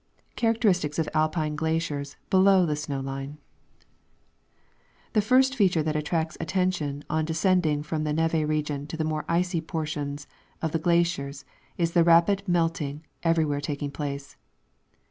Characteristics of Alpine Glaciers below the Snow Ltne. The first feature that attracts attention on descending from the neve region to the more icy portion of the glaciers is the rapid melting everywhere taking place.